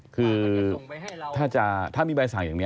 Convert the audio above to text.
คือถ้ามีใบสั่งอย่างนี้